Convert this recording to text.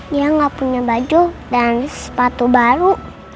dia nggak punya baju dan sepatu baru